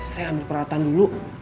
saya ambil perhatian dulu